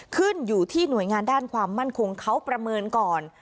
ขึ้นอยู่ที่หน่วยงานด้านความมั่นคงเขาประเมินก่อน